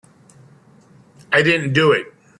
I didn't do it.